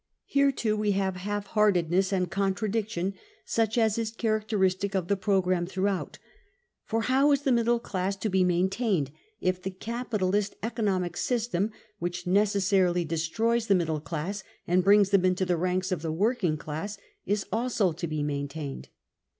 95 Here too, we have half heartedness and contradiction such as is characteristic of the programme throughout: For how is the middle class to be maintained if the capitalist economic system, which necessarily destroys the middle class and brings them into the ranks of the working class, is also to be maintained?